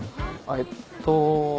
えっと。